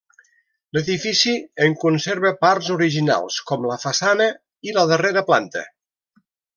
L'edifici en conserva parts originals com la façana i la darrera planta.